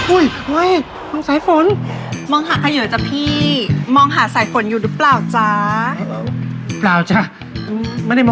อืมเริ่มกินกันได้